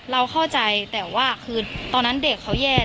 เราเข้าใจแต่ว่าคือตอนนั้นเด็กเขาแย่